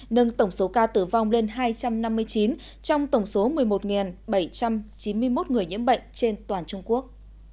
nâng tổng số ca tử vong lên hai trăm năm mươi chín trong tổng số một mươi một bảy trăm chín mươi một người nhiễm bệnh trên toàn trung quốc